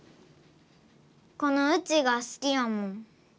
このうちがすきやもん。